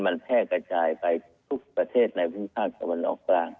มันแพร่กระจายไปทุกประเทศในพื้นที่ภาคตะวันออกกลาง